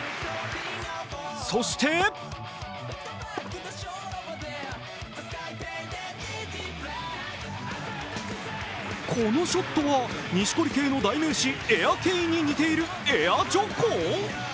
そしてこのショットは錦織圭の代名詞エアーＫに似ている、エアジョコ？